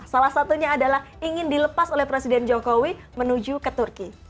salah satunya adalah ingin dilepas oleh presiden jokowi menuju ke turki